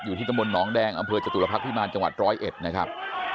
ที่ตะมนตหนองแดงอำเภอจตุรพักษ์พิมารจังหวัด๑๐๑นะครับ